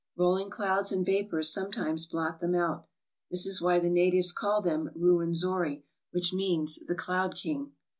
Rolling clouds and vapors sometimes blot them out. This is why the natives call them " Ruwenzori," which means "the Cloud King."